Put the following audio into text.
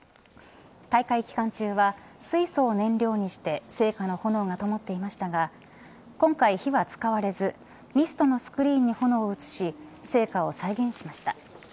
大会期間中は水素を燃料にして聖火の炎がともっていましたが今回、火は使われずミストのスクリーンに炎を移し聖火を再現しました。